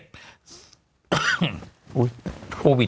อุ๊ยโควิดนะ